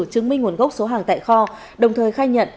chứng minh nguồn gốc số hàng tại kho đồng thời khai nhận